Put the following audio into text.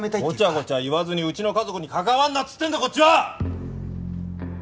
ごちゃごちゃ言わずにうちの家族に関わるなっつってんだこっちは！